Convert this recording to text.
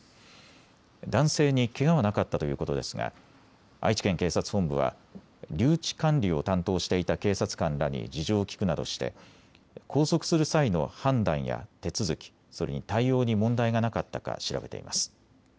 男性にけがはなかったということですが愛知県警察本部は留置管理を担当していた警察官らに事情を聞くなどして拘束する際の判断や手続き、それに対応に問題がなかったか調べています。